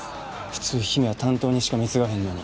普通姫は担当にしか貢がへんのに。